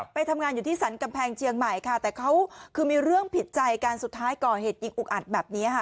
ไปทำงานอยู่ที่สรรกำแพงเชียงใหม่ค่ะแต่เขาคือมีเรื่องผิดใจกันสุดท้ายก่อเหตุยิงอุกอัดแบบนี้ค่ะ